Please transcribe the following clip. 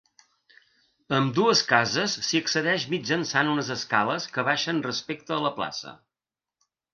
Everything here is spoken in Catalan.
A ambdues cases s'hi accedeix mitjançant unes escales que baixen respecte a la plaça.